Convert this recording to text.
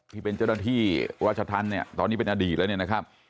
ที่เป็นเจ้าหน้าที่ราชธรรมเนี่ยตอนนี้เป็นอดีตแล้วเนี่ยนะครับ